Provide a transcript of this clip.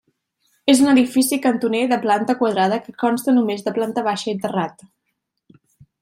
És un edifici cantoner de planta quadrada, que consta només de planta baixa i terrat.